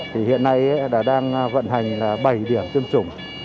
thì hiện nay đã đang vận hành là bảy điểm tiêm chủng